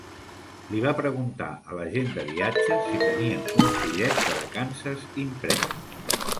Li va preguntar a l'agent de viatges si tenia un fullet de vacances imprès